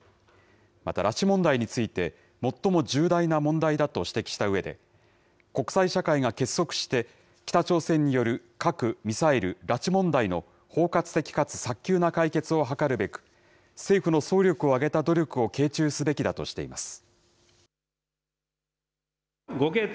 また、拉致問題について、最も重大な問題だと指摘したうえで、国際社会が結束して北朝鮮による核、ミサイル、拉致問題の包括的かつ早急な解決を図るべく、政府の総力を挙げた努力を傾注すべきだとしています。